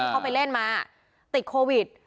เข้าไปเล่นมาติดโควิด